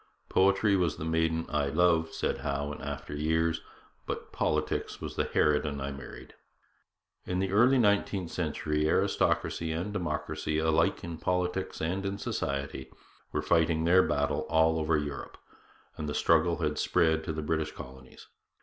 'Poetry was the maiden I loved,' said Howe in after years, 'but politics was the harridan I married.' In the early nineteenth century aristocracy and democracy, alike in politics and in society, were fighting their battle all over Europe, and the struggle had spread to the British colonies.